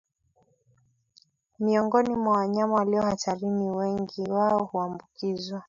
Miongoni mwa wanyama walio hatarini wengi wao huambukizwa